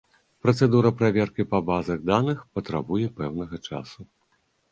Працэдура праверкі па базах даных патрабуе пэўнага часу.